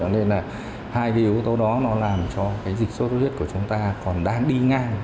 nên là hai cái yếu tố đó nó làm cho cái dịch sốt xuất huyết của chúng ta còn đang đi ngang